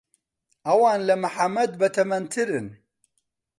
ئەوان لە محەممەد بەتەمەنترن.